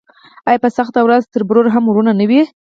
آیا په سخته ورځ تربور هم ورور نه وي؟